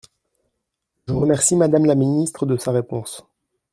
Je remercie Madame la ministre de sa réponse.